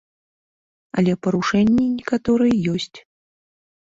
Але парушэнні некаторыя ёсць.